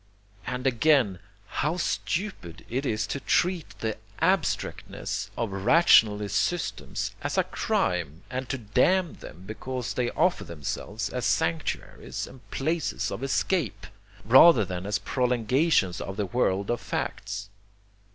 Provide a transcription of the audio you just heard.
And again, how stupid it is to treat the abstractness of rationalist systems as a crime, and to damn them because they offer themselves as sanctuaries and places of escape, rather than as prolongations of the world of facts.